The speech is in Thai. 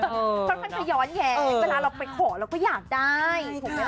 เค้าต้องย้อนแหงเวลาเราก็ค่อยขอเราก็อยากได้